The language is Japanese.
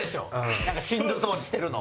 なんかしんどそうにしてるの。